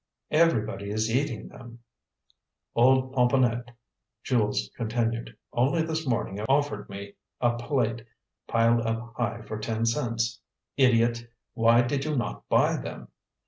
"Everybody is eating them " "Old Pomponnette," Jules continued, "only this morning offered me a plate, piled up high, for ten cents." "Idiot! Why did you not buy them?"